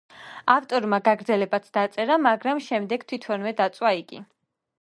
ავტორმა გაგრძელებაც დაწერა, მაგრამ შემდეგ თვითონვე დაწვა იგი.